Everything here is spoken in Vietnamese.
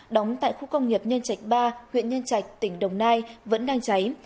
đóng tại khu công nghiệp nhân trạch ba huyện nhân trạch tỉnh đồng nai vẫn đang cháy